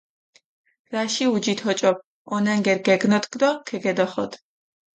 რაში ჸუჯით ოჭოფჷ, ონანგერი გეგნოდგჷ დო ქეგედოხოდჷ.